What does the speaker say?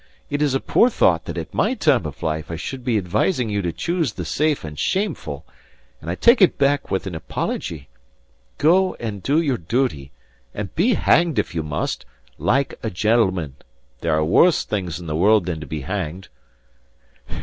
It is a poor thought that at my time of life I should be advising you to choose the safe and shameful; and I take it back with an apology. Go and do your duty; and be hanged, if you must, like a gentleman. There are worse things in the world than to be hanged."